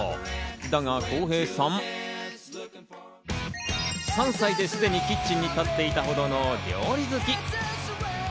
だが公平さん、３歳ですでにキッチンに立っていたほどの料理好き。